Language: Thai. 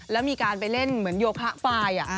แล้วมีการไปเล่นเหมือนโยคะไฟล์